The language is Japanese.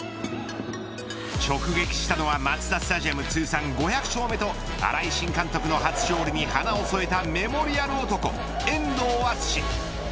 直撃したのはマツダスタジアム通算５００勝目と新井新監督の初勝利に花を添えたメモリアル男遠藤淳志。